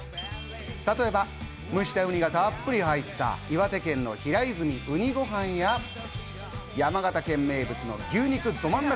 例えば蒸したうにがたっぷり入った岩手県の平泉うにごはんや山形県名物の牛肉どまん中